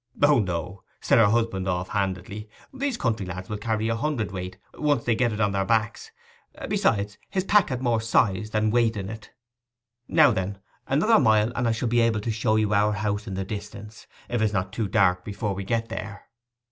'O no,' said her husband off handedly. 'These country lads will carry a hundredweight once they get it on their backs; besides his pack had more size than weight in it. Now, then, another mile and I shall be able to show you our house in the distance—if it is not too dark before we get there.